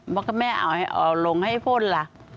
ว่าแม่เอาลงให้พ่นล่ะ